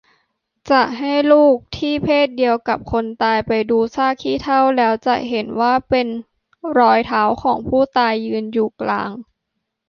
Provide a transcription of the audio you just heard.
จะให้ลูกที่เพศเดียวกับคนตายไปดูซากขี้เถ้า แล้วจะเห็นว่าเป็นรอยเท้าของผู้ตายยืนอยู่กลาง